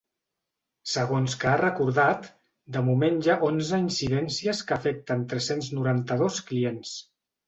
Segons que ha recordat, de moment hi ha onze incidències que afecten tres-cents noranta-dos clients.